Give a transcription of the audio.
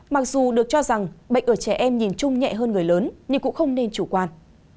mặc dù được cho rằng bệnh ở trẻ em nhìn chung nhẹ hơn người lớn nhưng cũng không nên chủ quan